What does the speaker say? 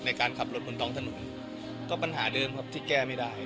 ในการขับรถบนท้องถนนก็ปัญหาเดิมครับที่แก้ไม่ได้